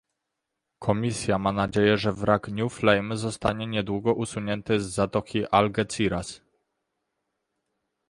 Komisja ma nadzieję, że wrak New Flame zostanie niedługo usunięty z Zatoki Algeciras